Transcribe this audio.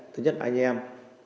thứ nhất anh em